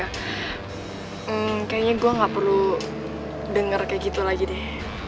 hmm kayaknya gue gak perlu denger kayak gitu lagi deh